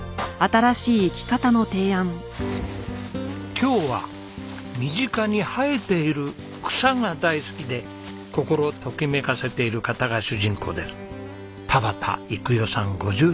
今日は身近に生えている草が大好きで心ときめかせている方が主人公です。